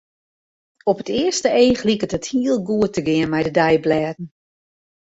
Op it earste each liket it hiel goed te gean mei de deiblêden.